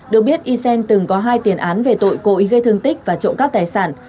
được biết ysen từng có hai tiền án về tội cội gây thương tích và trộm cắp tài sản